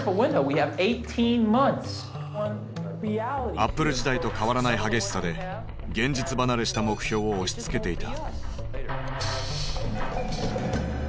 アップル時代と変わらない激しさで現実離れした目標を押しつけていた。